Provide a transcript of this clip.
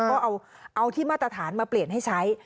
ก็เอาที่มาตรฐานมาเปลี่ยนให้ใช้